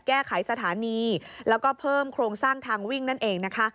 แก้ไขสถานีแล้วก็เพิ่มโครงสร้างทางวิ่งนั่นเอง